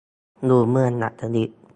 อยู่เมืองดัดจริต